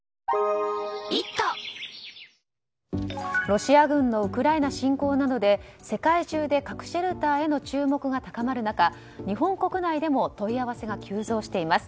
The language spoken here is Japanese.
ロシア軍のウクライナ侵攻などで世界中で核シェルターへの注目が高まる中、日本国内でも問い合わせが急増しています。